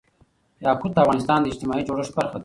یاقوت د افغانستان د اجتماعي جوړښت برخه ده.